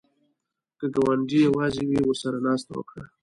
که ګاونډی یواځې وي، ورسره ناسته وکړه